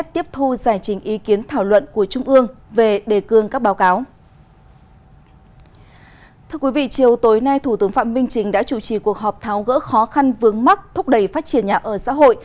thưa quý vị chiều tối nay thủ tướng phạm minh trình đã chủ trì cuộc họp tháo gỡ khó khăn vướng mắt thúc đẩy phát triển nhà ở xã hội